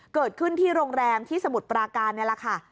เกิดขึ้นที่โรงแรมที่สมุทรปราการนี่แหละค่ะ